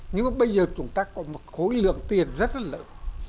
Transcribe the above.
nhưng mà bây giờ chúng ta có một khối lượng tiền rất là lớn